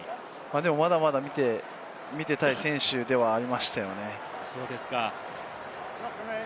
でも、まだまだ見ていたい選手ではありましたよね。